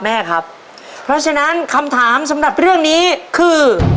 แม่ครับเพราะฉะนั้นคำถามสำหรับเรื่องนี้คือ